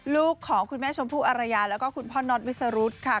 ลูกของคุณแม่ชมพู่อารยาแล้วก็คุณพ่อน็อตวิสรุธค่ะ